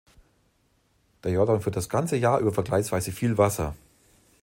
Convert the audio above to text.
Der Jordan führt das ganze Jahr über vergleichsweise viel Wasser.